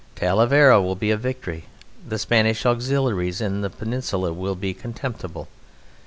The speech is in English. Talavera will be a victory. The Spanish Auxiliaries in the Peninsula will be contemptible.